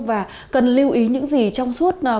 và cần lưu ý những gì trong suốt